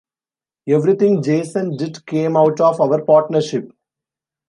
Everything Jason did came out of our partnership.